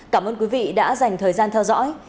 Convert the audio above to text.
cảm ơn quý vị đã dành thời gian theo dõi